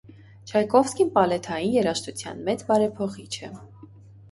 Չայքովսքին պալեթային երաժշտութեան մեծ բարեփոխիչ է։